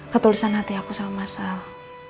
ketulisan hati aku sama sama